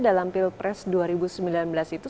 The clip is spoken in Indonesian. dalam pilpres dua ribu sembilan belas itu